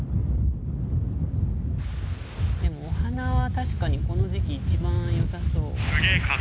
でもお花は確かにこの時期一番よさそう。